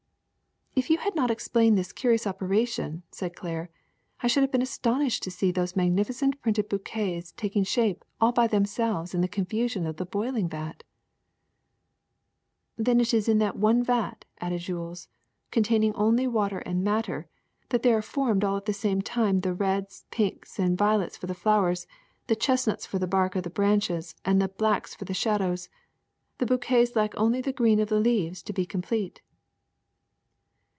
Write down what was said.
'' ''If you had not explained this curious operation," said Claire, ''I should have been astonished to see those magnificent printed bouquets taking shape all by themselves in the confusion of that boiling vat." ''Then it is in that one vat," added Jules, "con taining only 'water and madder, that there are formed all at the same time the reds, pinks, and violets for the flowers, the chestnuts for the bark of the branches, and the blacks for the shadows. The bouquets lack only the green of the leaves to be com plete."